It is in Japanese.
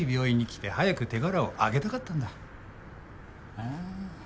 ああ。